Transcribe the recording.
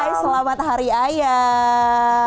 hai selamat hari ayah